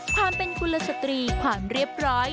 ความเป็นคุณสตรีความเรียบร้อย